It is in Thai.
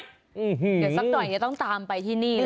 เดี๋ยวสักหน่อยจะต้องตามไปที่นี่